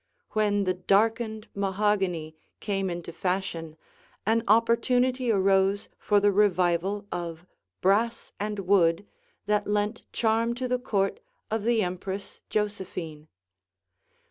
When the darkened mahogany came into fashion an opportunity arose for the revival of brass and wood that lent charm to the court of the Empress Josephine.